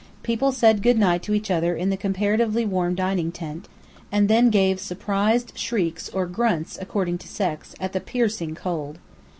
People said good night to each other in the comparatively warm dining tent, and then gave surprised shrieks or grunts (according to sex) at the piercing cold.